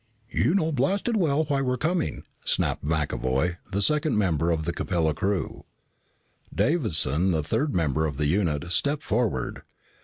"You know blasted well why we were coming," snapped McAvoy, the second member of the Capella crew. Davison, the third member of the unit, stepped forward.